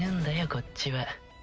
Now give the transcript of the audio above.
こっちは。